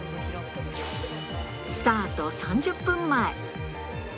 スタート３０分前。